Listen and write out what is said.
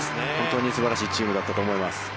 本当にすばらしいチームだったと思います。